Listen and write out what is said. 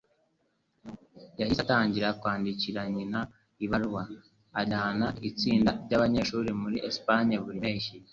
Yahise atangira kwandikira nyina ibaruwa. Ajyana itsinda ryabanyeshuri muri Espagne buri mpeshyi